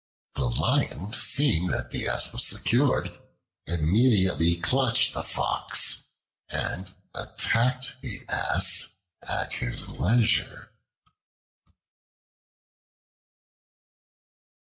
The Lion, seeing that the Ass was secured, immediately clutched the Fox, and attacked the Ass at his leisure.